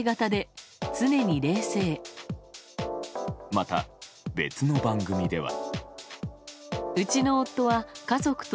また、別の番組では。